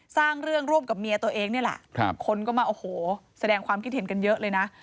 สร้างเรื่องร่วมกับเมียตัวเองนี่แหละคนก็มาโอ้โหแสดงความคิดเห็นกันเยอะเลยนะ